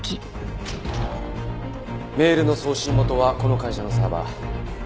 メールの送信元はこの会社のサーバー。